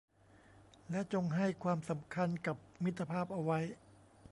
และจงให้ความสำคัญกับมิตรภาพเอาไว้